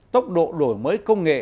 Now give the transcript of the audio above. tốc độ đổi mới công nghệ